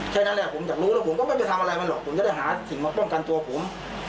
แค่นั้นแหละผมอยากรู้แล้วผมก็ไม่ได้ทำอะไรมันหรอกผมจะได้หาสิ่งมาป้องกันตัวผม